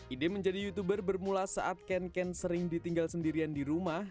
ide menjadi youtuber bermula saat ken ken sering ditinggal sendirian di rumah